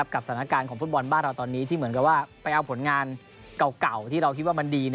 สถานการณ์ของฟุตบอลบ้านเราตอนนี้ที่เหมือนกับว่าไปเอาผลงานเก่าที่เราคิดว่ามันดี